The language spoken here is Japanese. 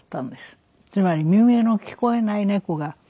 つまり耳の聞こえない猫が。